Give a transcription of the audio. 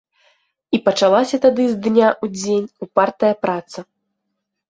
І пачалася тады з дня ў дзень упартая праца.